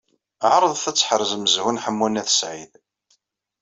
Eɛṛeḍet ad tḥerzem zhu n Ḥemmu n At Sɛid.